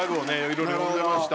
いろいろ読んでました。